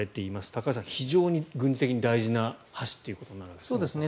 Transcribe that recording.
高橋さん、非常に軍事的に大事な橋ということになるわけですね。